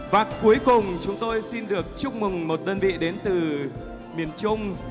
và cuối cùng chúng tôi xin được chúc mừng một đơn vị đến từ miền trung